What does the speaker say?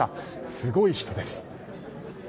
すごい人です。